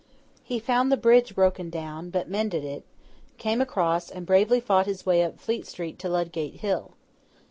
He found the bridge broken down, but mended it, came across, and bravely fought his way up Fleet Street to Ludgate Hill.